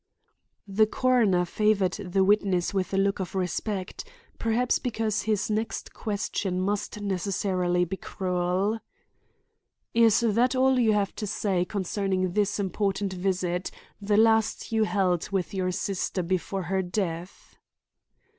The coroner favored the witness with a look of respect, perhaps because his next question must necessarily be cruel. "Is that all you have to say concerning this important visit, the last you held with your sister before her death?"